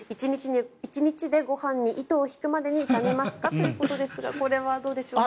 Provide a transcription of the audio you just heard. １日でご飯に糸を引くまでになりますかということですがこれはどうでしょうか。